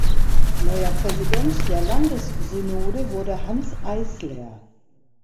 Neuer Präsident der Landessynode wurde Hans Eißler.